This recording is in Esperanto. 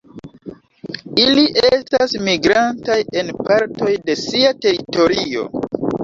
Ili estas migrantaj en partoj de sia teritorio.